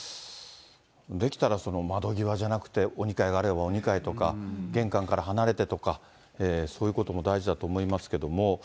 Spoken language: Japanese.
できたら、窓際じゃなくて、お２階があればお２階とか、玄関から離れてとか、そういうことも大事だと思いますけども。